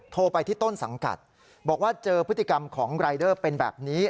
โทรไปที่ต้นสังกัดบอกว่าเจอพฤติกรรมของรายเดอร์เป็นแบบนี้